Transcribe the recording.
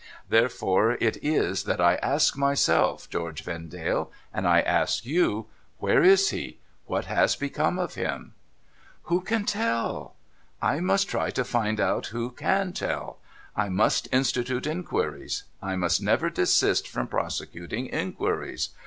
There fore it is that I ask myself, George Vendale, and I ask you, where is he ? What has become of him ?'* Who can tell !'* I must try to find out who can tell. I must institute inquiries. I must never desist from prosecuting inquiries.